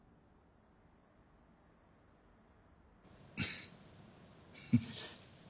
フッフフッ。